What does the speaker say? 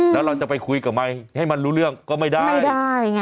แล้วเราจะไปคุยกับมันให้มันรู้เรื่องก็ไม่ได้